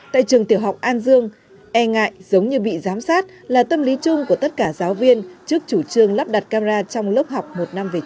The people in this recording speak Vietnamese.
tại trường tiểu học an dương e ngại giống như bị giám sát là tâm lý chung của tất cả giáo viên trước chủ trương lắp đặt camera trong lớp học một năm về trước